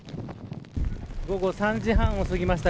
午後３時半をすぎました。